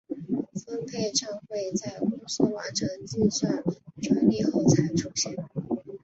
分配帐会在公司完成计算纯利后才出现。